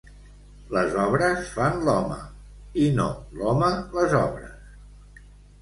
Les obres fan l'home i no l'home les obres.